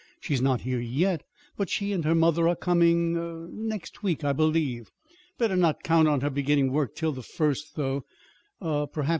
"She's not here yet; but she and her mother are coming er next week, I believe. Better not count on her beginning work till the first, though, perhaps.